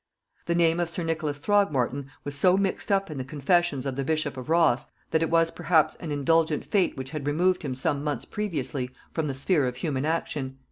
The name of sir Nicholas Throgmorton was so mixed up in the confessions of the bishop of Ross, that it was perhaps an indulgent fate which had removed him some months previously from the sphere of human action.